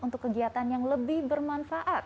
untuk kegiatan yang lebih bermanfaat